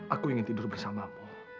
aku ingin tidur bersamamu